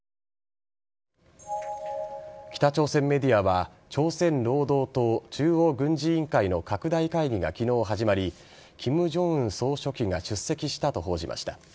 北朝鮮メディアは朝鮮労働党中央軍事委員会の拡大会議が昨日始まり金正恩総書記が出席したと報じました。